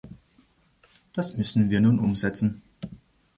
Das müssen wir nun umsetzen.